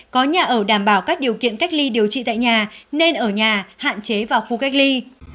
có nhà ở đảm bảo các điều kiện cách ly điều trị tại nhà nên ở nhà hạn chế vào khu cách ly